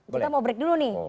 kita mau break dulu nih